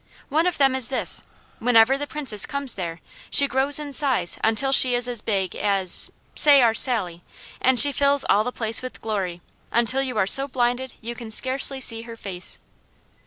One of them is this: whenever the Princess comes there, she grows in size until she is as big as, say our Sally, and she fills all the place with glory, until you are so blinded you scarcely can see her face."